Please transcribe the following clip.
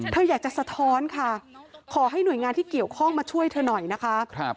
เธออยากจะสะท้อนค่ะขอให้หน่วยงานที่เกี่ยวข้องมาช่วยเธอหน่อยนะคะ